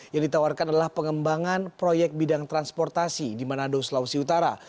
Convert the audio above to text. yang ditawarkan adalah pengembangan proyek bidang transportasi di manado sulawesi utara